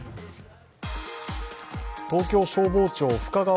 東京消防庁深川